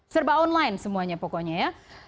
serba online semuanya pokoknya ya